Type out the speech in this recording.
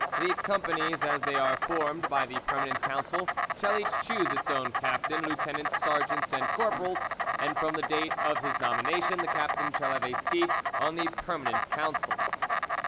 The companies as they are formed by the permanent council shall each choose its own captain, lieutenant, sergeants and corporals, and from the date of his nomination the captain shall have a seat on the permanent council."